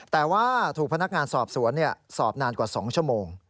แต่ว่าถูกพนักงานสอบสวนสอบนานกว่า๒ชั่วโมง